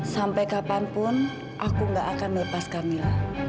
sampai kapanpun aku gak akan melepas kamila